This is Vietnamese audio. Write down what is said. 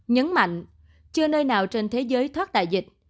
nhấn mạnh chưa nơi nào trên thế giới thoát đại dịch